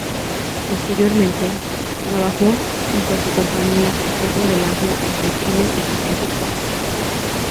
Posteriormente, trabajó junto a su compañía Teatro del Ángel entre Chile y Costa Rica.